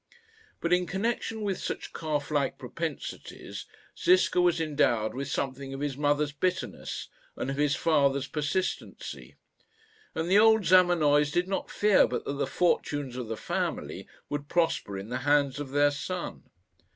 But, in connection with such calf like propensities, Ziska was endowed with something of his mother's bitterness and of his father's persistency; and the old Zamenoys did not fear but that the fortunes of the family would prosper in the hands of their son.